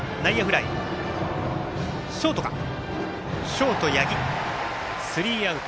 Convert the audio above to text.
ショート、八木つかんでスリーアウト。